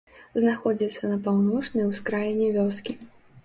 Знаходзіцца на паўночнай ускраіне вёскі.